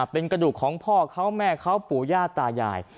เป็นกระดูกของพ่อเขาแม่เขาปู่ย่าตายาย